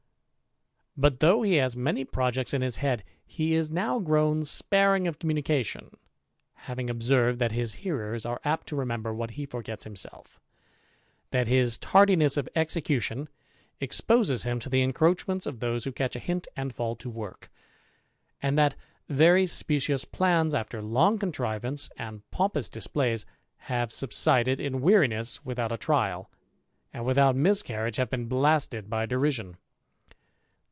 But though he has many projects in his head, he is now grown sparing of communication, having observed, that his hearers are apt to remember what he forgets ^ himself; that his tardiness of execution exposes him to th encroachments of those who catch a hint and fall to work and that very specious plans, after long contrivance an( pompous displays, have subsided in weariness without trial, and without miscarriage have been blasted derision.